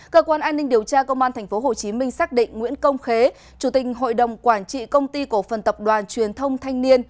cơ quan an ninh điều tra công an tp hcm xác định nguyễn công khế chủ tình hội đồng quản trị công ty cổ phần tập đoàn truyền thông thanh niên